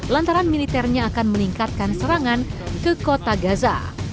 lantaran militernya akan meningkatkan serangan ke kota gaza